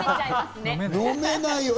飲めないよ。